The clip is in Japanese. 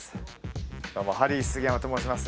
どうもハリー杉山と申します